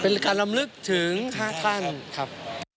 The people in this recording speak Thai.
เป็นการลำลึกถึง๕ท่านครับ